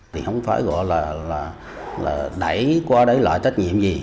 không phải gọi là đẩy qua đẩy lại trách nhiệm gì